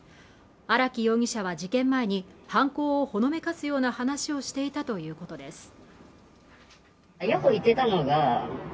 荒木容疑者は事件前に犯行をほのめかすような話をしていたということです